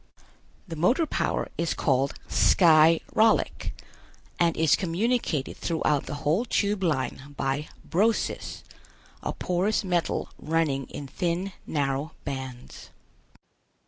The motor power is called Sky rallic, and is communicated throughout the whole Tube Line by Brosis, a porous metal running in thin narrow bands.